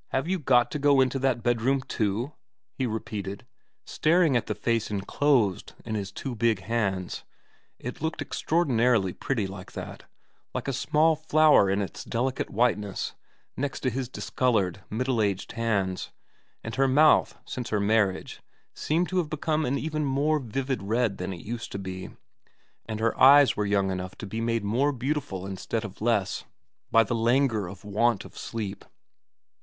' Have you got to go into that bedroom too ?' he repeated, staring at the face enclosed in his two big hands. It looked extraordinarily pretty like that, like a small flower in its delicate white ness next to his discoloured, middle aged hands, and her mouth since her marriage seemed to have become an even more vivid red than it used to be, and her eyes were young enough to be made more beautiful instead of less by the languor of want of sleep.